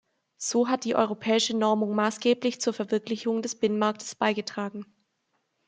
So hat die europäische Normung maßgeblich zur Verwirklichung des Binnenmarkts beigetragen.